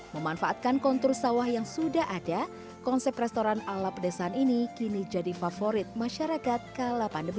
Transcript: memanfaatkan kontur sawah yang sudah ada konsep restoran ala pedesaan ini kini jadi favorit masyarakat kala pandemi